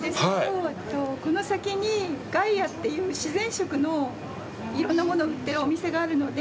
この先にＧＡＩＡという自然食のいろいろなものを売ってるお店があるので。